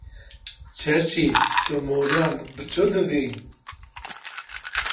Çerçî tu moriyan bi çi didî?